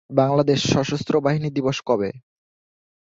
বাংলাদেশ সশস্ত্র বাহিনী দিবস কবে?